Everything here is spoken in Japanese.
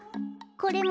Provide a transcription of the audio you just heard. これも。